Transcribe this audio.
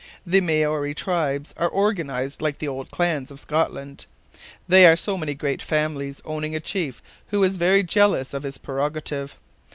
The Maori tribes are organized like the old clans of Scotland. They are so many great families owning a chief, who is very jealous of his prerogative.